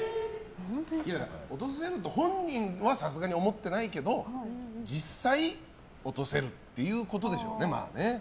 落とせるって本人はさすがに思ってないけど実際、落とせるっていうことでしょうね。